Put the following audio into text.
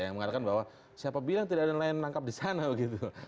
yang mengatakan bahwa siapa bilang tidak ada nelayan menangkap di sana begitu